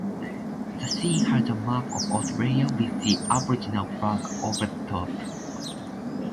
The scene has a map of Australia with the aboriginal flag over the top.